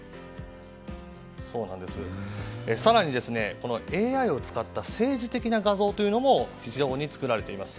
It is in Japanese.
更に、ＡＩを使った政治的な画像も非常に作られています。